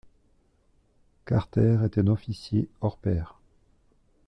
Carter est un officier hors pair.